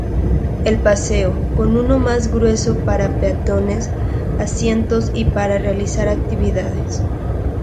El paseo, con uno más rugoso para peatones, asientos y para realizar actividades.